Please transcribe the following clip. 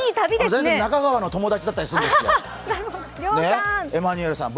中川の友達だったりするんですよ